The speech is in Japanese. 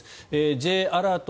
Ｊアラート